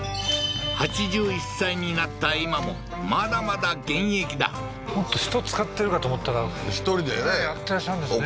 ８１歳になった今もまだまだ現役だもっと人使ってるかと思ったら１人でねねえやってらっしゃるんですね